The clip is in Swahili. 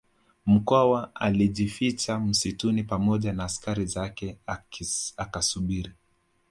Mkwawa alijificha msituni pamoja na askari zake akasubiri